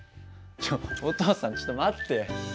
ちょお父さんちょっと待って。